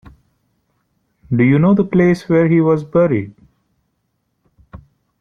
Do you know the place where he was buried?